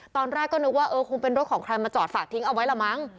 ตอนแรกก็นึกว่าเออคงเป็นรถของใครมาจอดฝากทิ้งเอาไว้ละมั้ง